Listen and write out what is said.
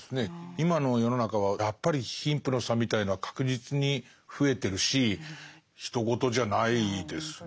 今の世の中はやっぱり貧富の差みたいのは確実に増えてるしひと事じゃないですね。